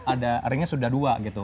ada ringnya sudah dua gitu